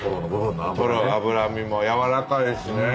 脂身も軟らかいしね。